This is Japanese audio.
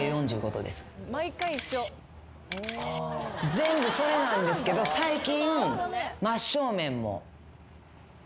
全部それなんですけど最近。